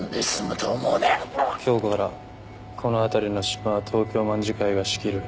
今日からこの辺りのシマは東京卍會が仕切る。